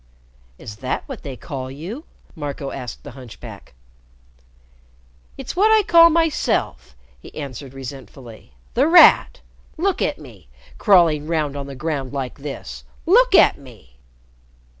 "Is that what they call you?" Marco asked the hunchback. "It's what I called myself," he answered resentfully. "'The Rat.' Look at me! Crawling round on the ground like this! Look at me!"